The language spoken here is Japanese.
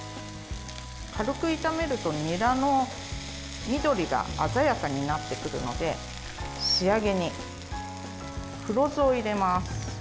軽く炒めると、にらの緑が鮮やかになってくるので仕上げに黒酢を入れます。